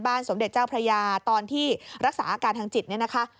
สมเด็จเจ้าพระยาตอนที่รักษาอาการทางจิตเนี่ยนะคะ